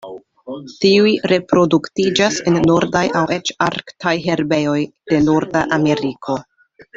Tiuj reproduktiĝas en nordaj aŭ eĉ arktaj herbejoj de Norda Ameriko.